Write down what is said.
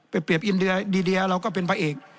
ไปเปรียบอินเดียเราก็เป็นพระเอก